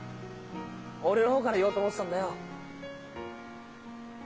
俺の方から言おうと思ってたんだよ！